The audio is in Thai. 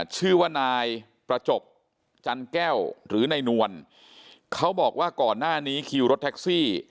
ชื่อว่านายประจบจันแก้วหรือนายนวลเขาบอกว่าก่อนหน้านี้คิวรถแท็กซี่